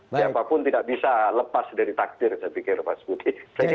siapapun tidak bisa lepas dari takdir saya pikir mas budi